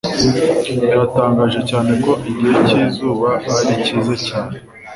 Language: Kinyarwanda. Biratangaje cyane ko igihe cyizuba ari cyiza cyane;